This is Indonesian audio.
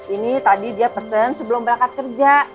ini tadi dia pesen sebelum berangkat kerja